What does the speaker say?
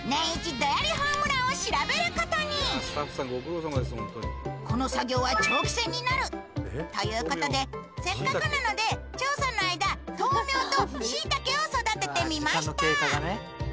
ドヤりホームランを調べることにこの作業は長期戦になるということでせっかくなので調査の間豆苗とシイタケを育ててみました